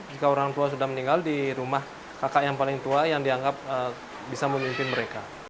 jika orang tua sudah meninggal di rumah kakak yang paling tua yang dianggap bisa memimpin mereka